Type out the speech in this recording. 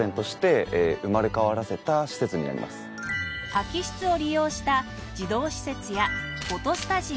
空き室を利用した児童施設やフォトスタジオ。